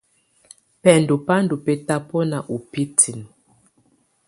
Bɛndɔ́ bá ndɔ́ bɛ́tabɔná ú bǝ́tinǝ.